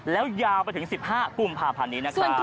แล้วยาวไปถึง๑๕กุมภาพันธ์นี้นะครับ